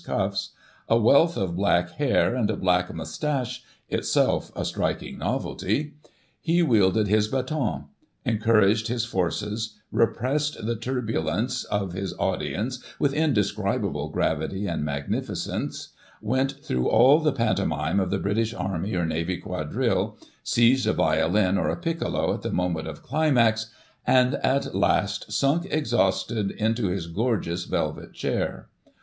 1843, P 34^ cuffs, a wealth of black hair, and a black moustache — itself a striking novelty — ^he wielded his baton, encouraged his forces, repressed the turbulence of his audience with indescrib able gravity and magnificence, went through all the panto mime of the British Army or Navy Quadrilles, seized a violin or a piccolo at the moment of climax, and, at last, sunk exhausted into his gorgeous velvet chair.